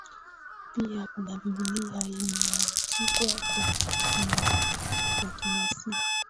pia kuna Biblia imeandikwa kwa kimasai